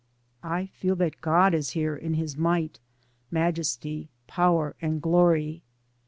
I feel that God is here in his might, majesty, power and glory.